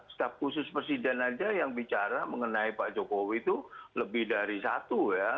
staf khusus presiden aja yang bicara mengenai pak jokowi itu lebih dari satu ya